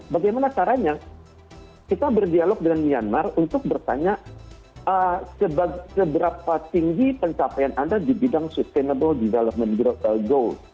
bagaimana caranya kita berdialog dengan myanmar untuk bertanya seberapa tinggi pencapaian anda di bidang sustainable development goals